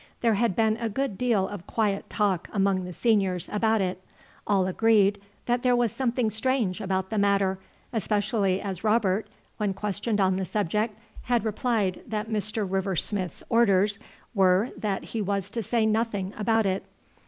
There had been a good deal of quiet talk among the seniors about it. All agreed that there was something strange about the matter, especially as Robert, when questioned on the subject, had replied that Mr. River Smith's orders were that he was to say nothing about it.